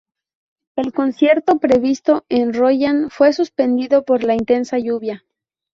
El concierto previsto en Royan fue suspendido por la intensa lluvia